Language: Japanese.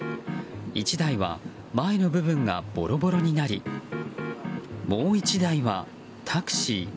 １台は前の部分がボロボロになりもう１台は、タクシー。